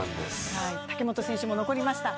武本選手も残りました。